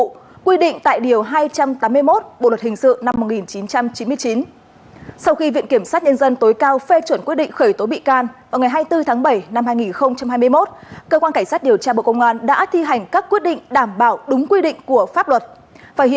cơ quan cảnh sát điều tra bộ công an đã ra quyết định khởi tố bổ sung vụ án và quyết định khởi tố bị can đối với ông nguyễn đức trung nguyên chủ tịch ubnd tp hà nội về tội lợi dụng chức vụ